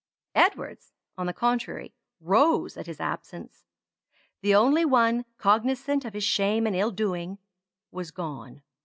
Edward's, on the contrary, rose at his absence. The only one, cognisant of his shame and ill doing, was gone.